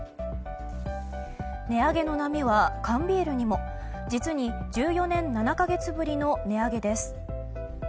値上げの波は缶ビールにも実に１４年７か月ぶりの値上げです。